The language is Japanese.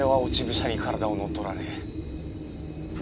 しゃに体を乗っ取られぶ